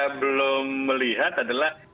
belum melihat adalah